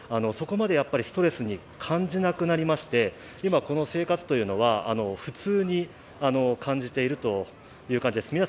そこまでストレスに感じなくなりまして、今、この生活というのは普通に感じているという感じです。